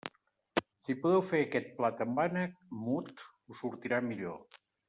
Si podeu fer aquest plat amb ànec mut, us sortirà millor.